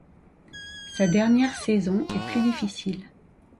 Sa dernière saison est plus difficile.